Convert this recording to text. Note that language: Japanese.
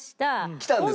来たんですか？